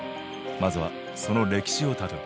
まずはその歴史をたどる。